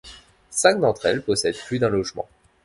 Cinq d’entre elles possèdent plus d’un logement.